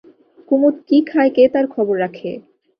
কুমুদ কী খায় কে তার খবর রাখে?